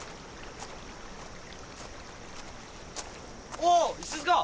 ・おう石塚。